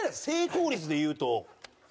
成功率でいうと？